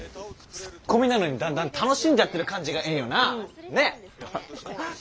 ツッコミなのにだんだん楽しんじゃってる感じがええんよな。ね？